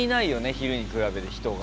昼に比べて人が。